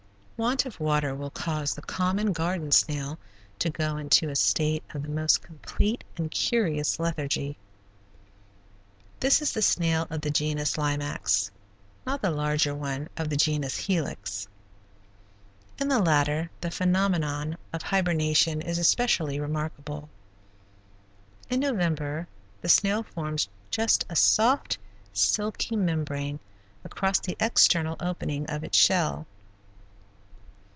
Want of water will cause the common garden snail to go into a state of the most complete and curious lethargy. This is the snail of the genus Limax, not the larger one of the genus Helix. In the latter the phenomenon of hibernation is especially remarkable. In November the snail forms just a soft, silky membrane across the external opening of its shell.